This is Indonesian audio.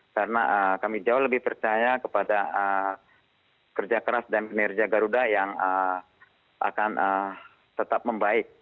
karena kami jauh lebih percaya kepada kerja keras dan penerja garuda yang akan tetap membaik